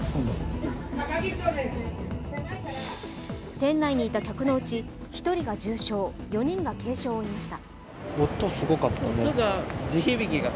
店内にいた客のうち１人が重傷、４人が軽傷を負いました。